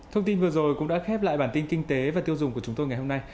thông tin vừa rồi cũng đã khép lại bản tin kinh tế và tiêu dùng của chúng tôi ngày hôm nay